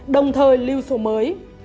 đồng thời lưu số mới